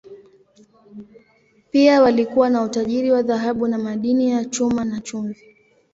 Pia walikuwa na utajiri wa dhahabu na madini ya chuma, na chumvi.